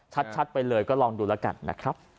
ชัดไปเลยก็ลองดูแล้วกันนะครับ